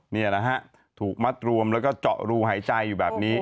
นี่นะฮะถูกมัดรวมแล้วก็เจาะรูหายใจอยู่แบบนี้